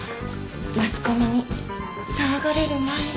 マスコミに騒がれる前に。